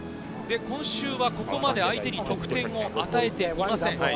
今週はここまで相手に得点を与えていません。